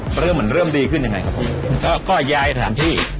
เป็นเหมือนเริ่มนี่ขึ้นยังไงครับผมก็ยายสามที่